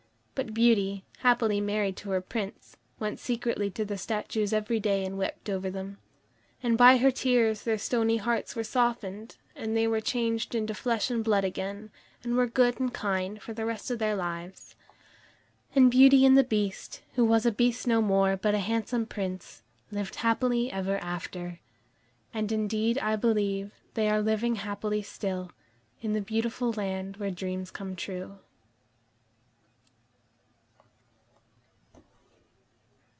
But Beauty, happily married to her Prince, went secretly to the statues every day and wept over them. And by her tears their stony hearts were softened, and they were changed into flesh and blood again, and were good and kind for the rest of their lives. And Beauty and the Beast, who was a Beast no more, but a handsome Prince, lived happily ever after. And indeed I believe they are living happily still, in the beautiful land where dreams come true.